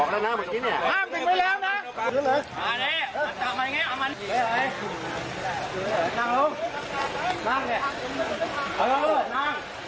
ห้ามจึงไว้แล้วนะ